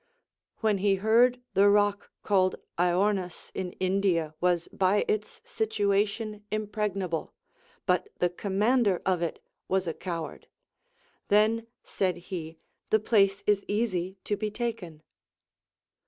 AYhen he heard the rock called Aornus in India was by its situation impregna ble, but the commander of it was a coward ; Then, said he, the place is easy to be taken.